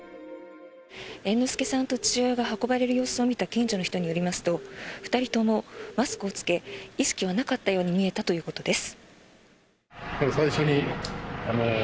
猿之助さんと父親が運ばれる様子を見た近所の人によりますと２人ともマスクを着け意識はなかったように見えたということです。